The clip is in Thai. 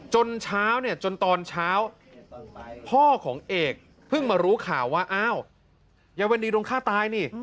จนเช้าเนี่ยจนตอนเช้าพ่อของเอกเพิ่งมารู้ข่าวว่าอ้าวยายวันดีโดนฆ่าตายนี่